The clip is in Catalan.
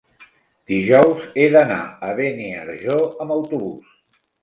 Dijous he d'anar a Beniarjó amb autobús.